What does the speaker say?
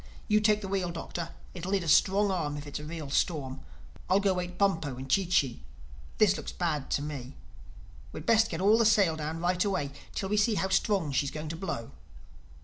You take the wheel, Doctor: it'll need a strong arm if it's a real storm. I'll go wake Bumpo and Chee Chee. This looks bad to me. We'd best get all the sail down right away, till we see how strong she's going to blow."